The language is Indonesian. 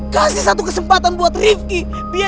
kasih satu kesempatan buat rifqi biar dia sadar